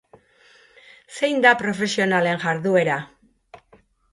Zein da profesionalen jarduera?